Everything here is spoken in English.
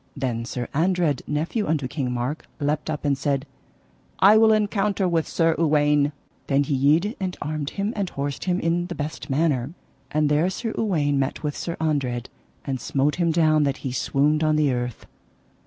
Then Sir Andred, nephew unto King Mark, leapt up and said: I will encounter with Sir Uwaine. Then he yede and armed him and horsed him in the best manner. And there Sir Uwaine met with Sir Andred, and smote him down that he swooned on the earth.